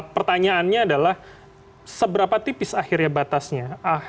pertanyaannya adalah seberapa tipis akhirnya batasnya